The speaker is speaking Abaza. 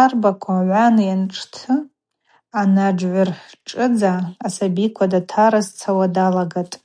Арбаква гӏван йаншӏты анажгӏвыршӏыдза асабиква датарызцахуа далагатӏ.